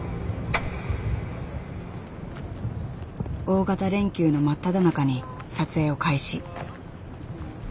大型連休の真っただ中に撮影を開始。